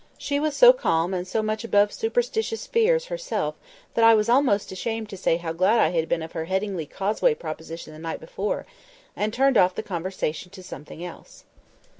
She was so calm and so much above superstitious fears herself that I was almost ashamed to say how glad I had been of her Headingley Causeway proposition the night before, and turned off the conversation to something else.